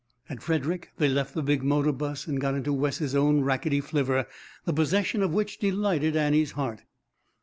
At Frederick they left the big motor bus and got into Wes's own rackety flivver, the possession of which delighted Annie's heart.